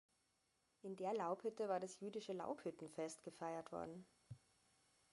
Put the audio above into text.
In der Laubhütte war das jüdische Laubhüttenfest gefeiert worden.